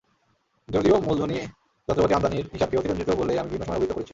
যদিও মূলধনি যন্ত্রপাতি আমদানির হিসাবকে অতিরঞ্জিত বলে আমি বিভিন্ন সময়ে অভিহিত করেছি।